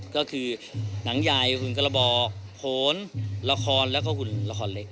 ก็คือหนังใหญ่หุ่นกระบอกโหนละครแล้วก็หุ่นละครเล็ก